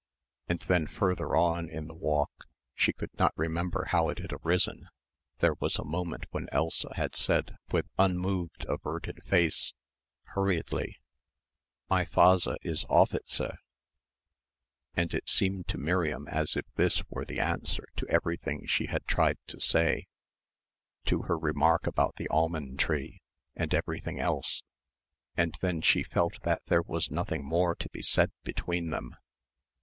And then further on in the walk, she could not remember how it had arisen, there was a moment when Elsa had said with unmoved, averted face hurriedly, "My fazzer is offitser" and it seemed to Miriam as if this were the answer to everything she had tried to say, to her remark about the almond tree and everything else; and then she felt that there was nothing more to be said between them.